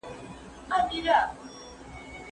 مورنۍ ژبه څنګه د زده کړې تداوم ساتي؟